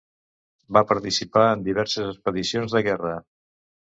Va participar en diverses expedicions de guerra.